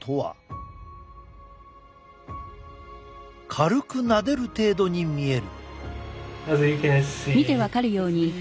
軽くなでる程度に見える。